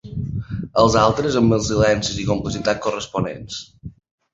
Els altres, amb els silencis i complicitats corresponents.